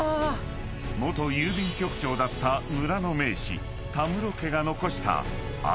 ［元郵便局長だった村の名士田室家が残した］